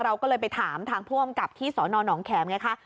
เราก็เลยไปถามทางผู้อำกับที่สนหนองแขมไงคะ